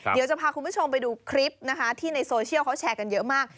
เดี๋ยวจะพาคุณผู้ชมไปดูคลิปนะคะที่ในโซเชียลเขาแชร์กันเยอะมาก